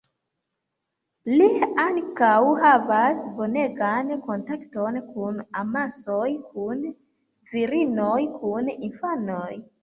Li ankaŭ havas bonegan kontakton kun amasoj, kun virinoj, kun infanoj.